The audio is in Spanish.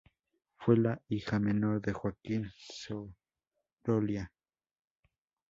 Fue la hija menor de Joaquín Sorolla.